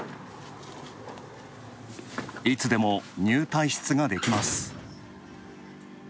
いつでも入退室ができます。